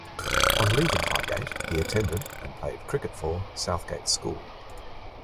On leaving Highgate, he attended and played cricket for Southgate School.